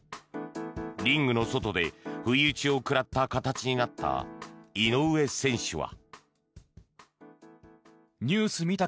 リングの外で不意打ちを食らった形になった井上選手は。